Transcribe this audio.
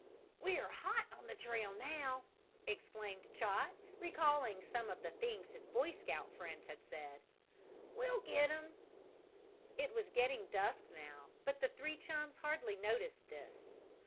"We're hot on the trail now!" exclaimed Chot, recalling some of the things his Boy Scout friends had said. "We'll get him!" It was getting dusk now, but the three chums hardly noticed this.